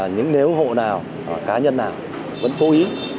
nhưng nếu hộ nào cá nhân nào vẫn cố ý